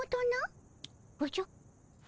おじゃ。